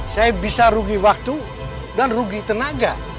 saya bisa rugi waktu dan rugi tenaga